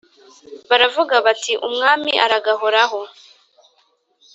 baravuga bati Umwami aragahoraho